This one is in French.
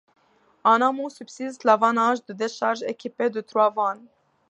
En amont, subsiste le vannage de décharge équipé de trois vannes.